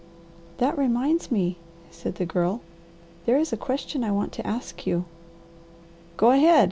"That reminds me," said the Girl, "there is a question I want to ask you." "Go ahead!"